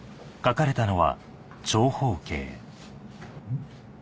ん？